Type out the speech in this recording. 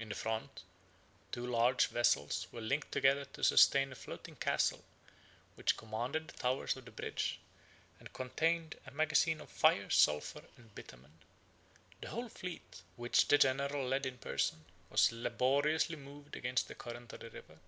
In the front, two large vessels were linked together to sustain a floating castle, which commanded the towers of the bridge, and contained a magazine of fire, sulphur, and bitumen. The whole fleet, which the general led in person, was laboriously moved against the current of the river.